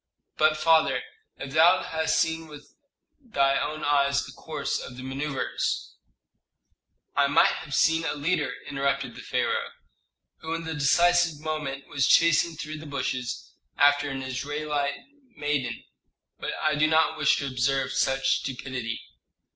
"But, father, if thou hadst seen with thy own eyes the course of the manœuvres " "I might have seen a leader," interrupted the pharaoh, "who in the decisive moment was chasing through the bushes after an Israelite maiden. But I do not wish to observe such stupidity."